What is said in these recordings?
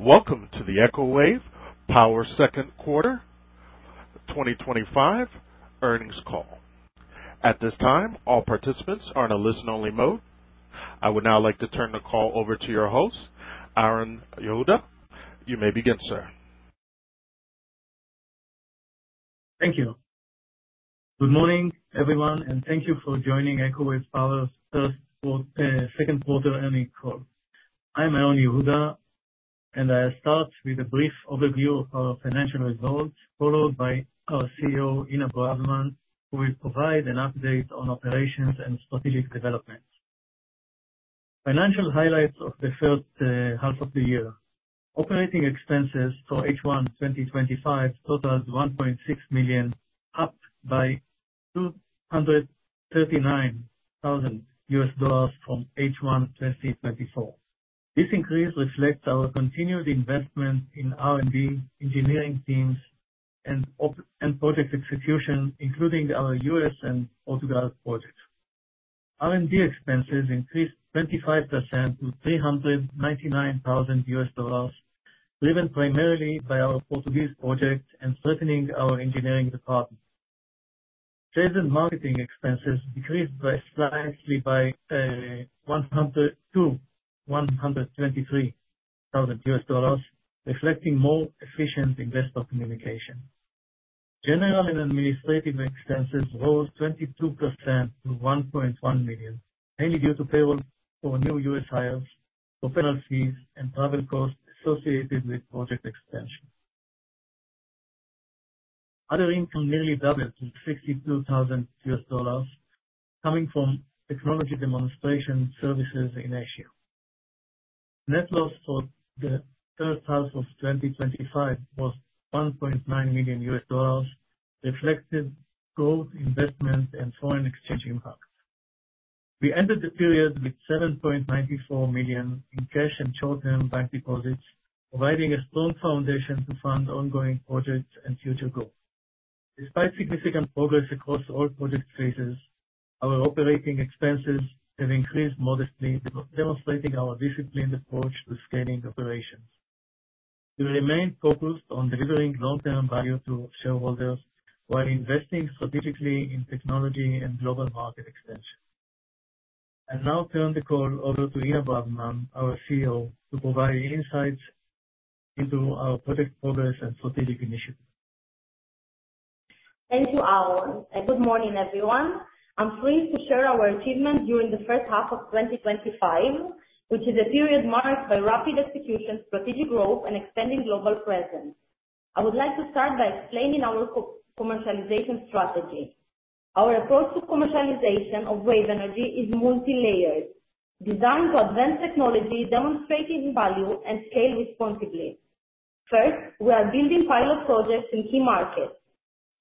Welcome to the Eco Wave Power Second Quarter 2025 Earnings Call. At this time, all participants are in a listen-only mode. I would now like to turn the call over to your host, Aharon Yehuda. You may begin, sir. Thank you. Good morning, everyone, and thank you for joining Eco Wave Power's Second Quarter Earnings Call. I'm Aharon Yehuda, and I'll start with a brief overview of our financial results, followed by our CEO, Inna Braverman, who will provide an update on operations and strategic developments. Financial highlights of the first half of the year. Operating expenses for H1 2025 totaled $1.6 million, up by $239,000 from H1 2024. This increase reflects our continued investment in R&D, engineering teams, and project execution, including our U.S. and Portugal projects. R&D expenses increased 25% to $399,000, driven primarily by our Portugal projects and strengthening our engineering department. Sales and marketing expenses decreased drastically by $123,000, reflecting more efficient investment communication. General and administrative expenses rose 22% to $1.1 million, mainly due to payroll for new U.S. hires, professional fees, and travel costs associated with project expansion. Other income nearly doubled to $62,000, coming from technology demonstration services in Asia. Net loss for the first half of 2025 was $1.9 million, reflecting growth investment and foreign exchange impact. We ended the period with $7.94 million in cash and short-term bank deposits, providing a strong foundation to fund ongoing projects and future growth. Despite significant progress across all project phases, our operating expenses have increased modestly, demonstrating our disciplined approach to scaling operations. We remain focused on delivering long-term value to shareholders while investing strategically in technology and global market expansion. I'll now turn the call over to Inna Braverman, our CEO, to provide insights into our project progress and strategic initiatives. Thank you, Aharon, and good morning, everyone. I'm pleased to share our achievements during the first half of 2025, which is a period marked by rapid execution, strategic growth, and extending global presence. I would like to start by explaining our commercialization strategy. Our approach to commercialization of wave energy is multilayered, designed to advance technology, demonstrate its value, and scale responsibly. First, we are building pilot projects in key markets.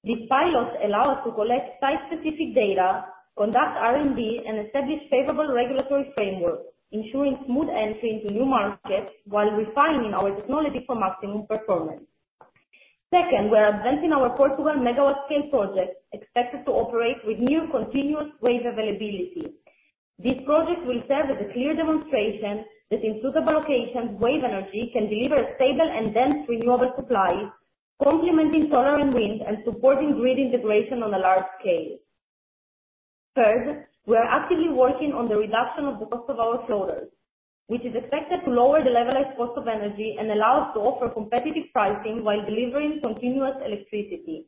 These pilots allow us to collect site-specific data, conduct R&D, and establish favorable regulatory frameworks, ensuring smooth entry into new markets while refining our technology for maximum performance. Second, we are advancing our Portugal megawatt scale project, expected to operate with near-continuous wave availability. This project will serve as a clear demonstration that in suitable locations, wave energy can deliver a stable and dense renewable supply, complementing solar and wind and supporting grid integration on a large scale. Third, we are actively working on the reduction of the cost of our floaters, which is expected to lower the levelized cost of energy and allow us to offer competitive pricing while delivering continuous electricity.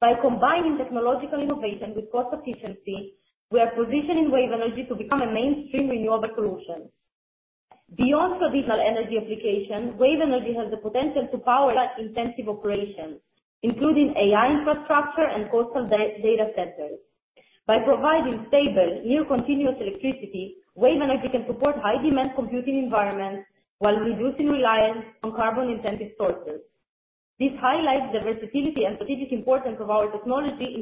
By combining technological innovation with cost efficiency, we are positioning wave energy to become a mainstream renewable solution. Beyond traditional energy application, wave energy has the potential to power intensive operations, including AI infrastructure and coastal data centers. By providing stable, near-continuous electricity, wave energy can support high-demand computing environments while reducing reliance on carbon-intensive sources. This highlights the versatility and strategic importance of our technology,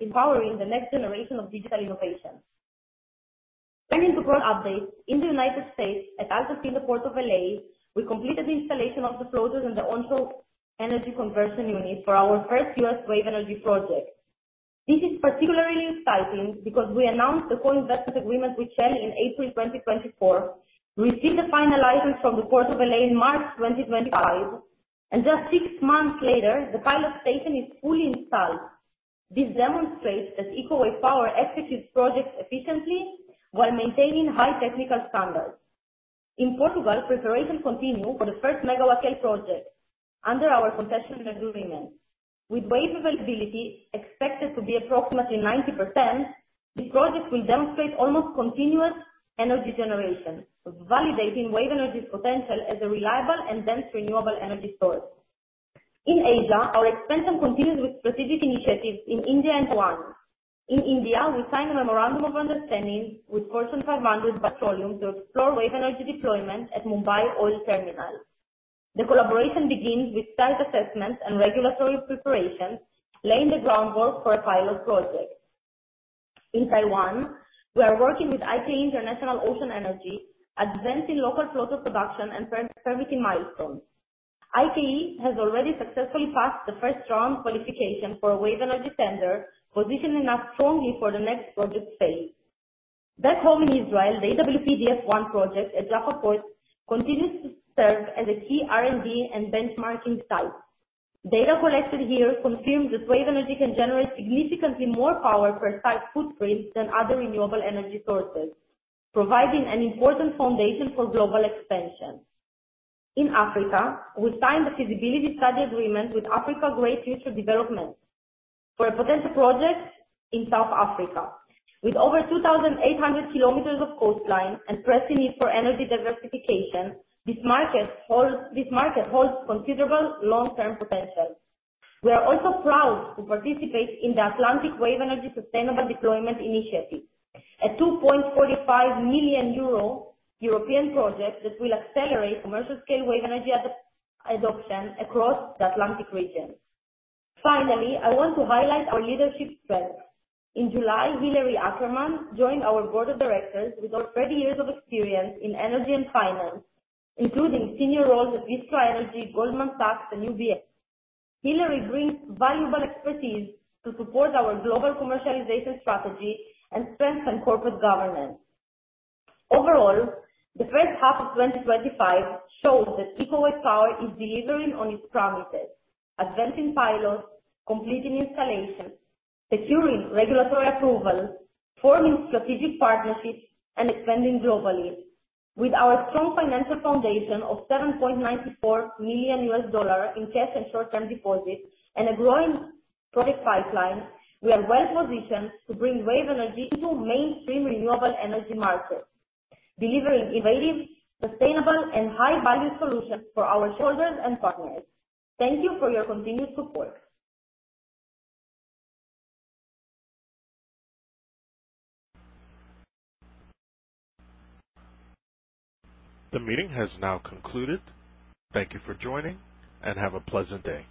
empowering the next generation of digital innovation. Turning to current updates, in the United States, at AltaSea at the Port of L.A., we completed the installation of the floaters and the onshore energy conversion unit for our first US wave energy project. This is particularly exciting because we announced the co-investment agreement with Shell in April 2024, received the final license from the Port of L.A. in March 2025, and just six months later, the pilot station is fully installed. This demonstrates that Eco Wave Power executes projects efficiently while maintaining high technical standards. In Portugal, preparations continue for the first megawatt scale project under our concessionary agreement. With wave availability expected to be approximately 90%, this project will demonstrate almost continuous energy generation, validating wave energy's potential as a reliable and dense renewable energy source. In Asia, our expansion continues with strategic initiatives in India and Taiwan. In India, we signed a memorandum of understanding with Fortune 500, Bharat Petroleum to explore wave energy deployment at Mumbai Oil Terminal. The collaboration begins with site assessments and regulatory preparations, laying the groundwork for a pilot project. In Taiwan, we are working with I-Ke International Ocean Energy, advancing local floater production and fermenting milestones. I-Ke has already successfully passed the first round qualification for a wave energy tender, positioning us strongly for the next project phase. Back home in Israel, the EWP-EDF One project at Jaffa Point continues to serve as a key R&D and benchmarking site. Data collected here confirms that wave energy can generate significantly more power per site footprint than other renewable energy sources, providing an important foundation for global expansion. In Africa, we signed the feasibility study agreement with Africa Great Future Development for a potential project in South Africa. With over 2,800 kilometers of coastline and pressing need for energy diversification, this market holds considerable long-term potential. We are also proud to participate in the Atlantic Wave Energy Sustainable Deployment Initiative, a 2.45 million euro European project that will accelerate commercial scale wave energy adoption across the Atlantic region. Finally, I want to highlight our leadership spirit. In July, Hillary Ackermann joined our Board of Directors with over 30 years of experience in energy and finance, including senior roles at Vistra Energy, Goldman Sachs, and UBS. Hillary brings valuable expertise to support our global commercialization strategy and strengthen corporate governance. Overall, the first half of 2025 shows that Eco Wave Power is delivering on its promises, advancing pilots, completing installations, securing regulatory approval, forming strategic partnerships, and expanding globally. With our strong financial foundation of $7.94 million in cash and short-term deposits and a growing product pipeline, we are well positioned to bring wave energy to two mainstream renewable energy markets, delivering innovative, sustainable, and high-value solutions for our shareholders and partners. Thank you for your continued support. The meeting has now concluded. Thank you for joining and have a pleasant day.